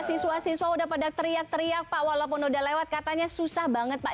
siswa siswa udah pada teriak teriak pak walaupun udah lewat katanya susah banget pak